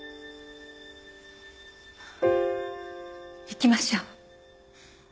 行きましょう。